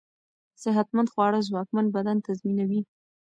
صحتمند خواړه ځواکمن بدن تضمينوي.